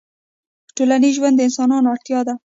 ټولنیز ژوند د انسانانو اړتیا ده